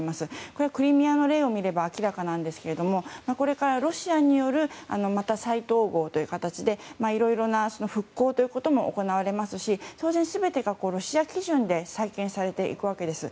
それはクリミアの例を見れば明らかですがこれからロシアによる再統合という形でいろいろな復興ということも行われますし当然、全てがロシア基準で再建されていくわけです。